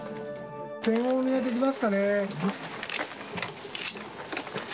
検温お願いできますかね。